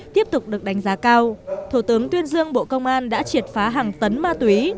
tiếp tục được đánh giá cao thủ tướng tuyên dương bộ công an đã triệt phá hàng tấn ma túy